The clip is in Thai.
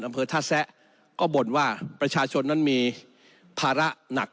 อำเภอท่าแซะก็บ่นว่าประชาชนนั้นมีภาระหนัก